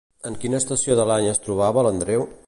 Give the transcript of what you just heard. En quina estació de l'any es trobava l'Andreu?